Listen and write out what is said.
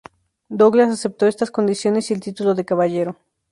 Douglas aceptó estas condiciones, y el título de caballero.